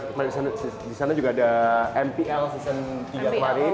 terus disana juga ada mpl season tiga kemarin